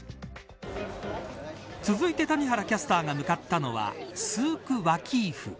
続いて谷原キャスターが向かったのはスーク・ワキーフ。